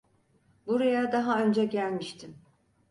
Buraya daha önce gelmiştim.